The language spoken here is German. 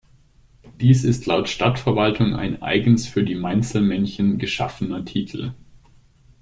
Dies ist laut Stadtverwaltung ein eigens für die Mainzelmännchen geschaffener Titel.